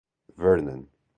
Vernon.